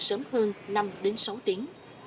sớm hơn năm sáu tiếng